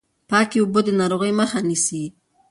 پاکې اوبه د ناروغیو مخه نیسي۔